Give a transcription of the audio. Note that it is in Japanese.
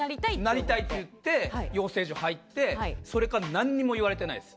なりたいって言って養成所入ってそれから何も言われてないです。